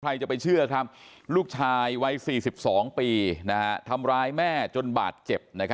ใครจะไปเชื่อครับลูกชายวัย๔๒ปีทำร้ายแม่จนบาดเจ็บ